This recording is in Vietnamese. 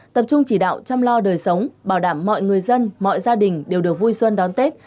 tập trung chỉ đạo chăm lo đời sống bảo đảm mọi người dân mọi gia đình đều được vui xuân đón tết